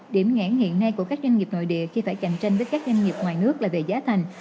điểm nghẹn hiện nay của các doanh nghiệp nội địa khi phải cạnh tranh với các doanh nghiệp ngoài nước là về giá thành